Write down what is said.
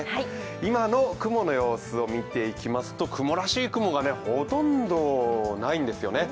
今の雲の様子を見ていきますと、雲らしい雲がほとんどないんですよね。